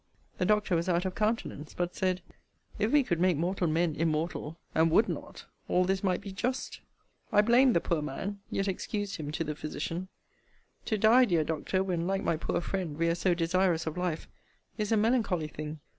The doctor was out of countenance; but said, if we could make mortal men immortal, and would not, all this might be just. I blamed the poor man; yet excused him to the physician. To die, dear Doctor, when, like my poor friend, we are so desirous of life, is a melancholy thing.